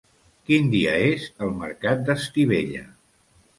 Quin dia és el mercat d'Estivella?